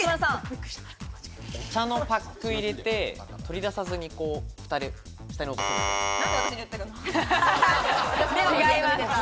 お茶のパック入れて、取り出さずにふたで押すみたいな。